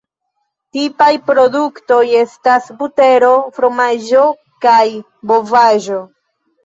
Tipaj produktoj estas butero, fromaĝo kaj bovaĵo.